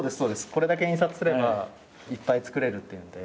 これだけ印刷すればいっぱい作れるっていうんで。